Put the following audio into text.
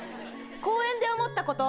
「公園で思ったこと」。